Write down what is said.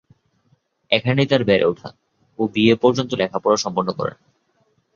এখানেই তার বেড়ে ওঠা ও বিএ পর্যন্ত লেখাপড়া সম্পন্ন করেন।